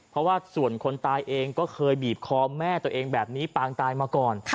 เพราะว่าส่วนคนตายเองก็เคยบีบคอแม่ตัวเองแบบนี้ปางตายมาก่อน